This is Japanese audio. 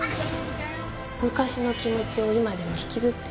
昔の気持ちを今でも引きずってるって意味よ。